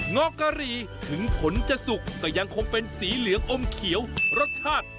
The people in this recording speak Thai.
อกกะหรี่ถึงผลจะสุกก็ยังคงเป็นสีเหลืองอมเขียวรสชาติ